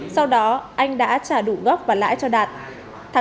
sau đó anh đã trả đủ gốc và lãi cho đạt